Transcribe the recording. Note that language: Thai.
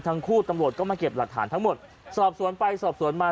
ทั้งคู่ตำรวจก็มาเก็บหลักฐานทั้งหมดสอบสวนไปสอบสวนมา